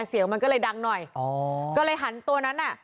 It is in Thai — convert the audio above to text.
เสียงมันก็เลยดังหน่อยอ๋อก็เลยหันตัวนั้นอ่ะ